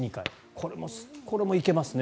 これも行けますね。